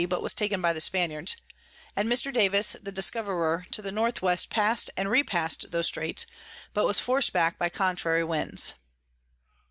but was taken by the Spaniards; and Mr. Davis the Discoverer to the N W. pass'd and repass'd those Straits, but was forc'd back by contrary Winds.